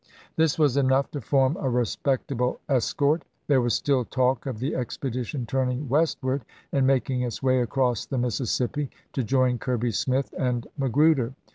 This was enough to form a respectable escort. There was still talk of the expedition turning west ward and making its way across the Mississippi to join Kirby Smith and Magruder.